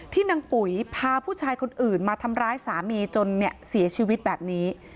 นางปุ๋ยพาผู้ชายคนอื่นมาทำร้ายสามีจนเสียชีวิตแบบนี้